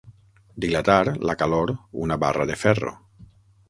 Dilatar, la calor, una barra de ferro.